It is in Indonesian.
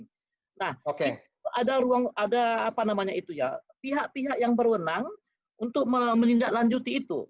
nah itu ada ruang ada apa namanya itu ya pihak pihak yang berwenang untuk menindaklanjuti itu